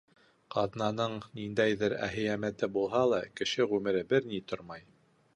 Ҡаҙнаның ниндәйҙер әһәмиәте булһа ла, кеше ғүмере бер ни тормай.